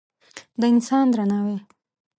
د انسان درناوی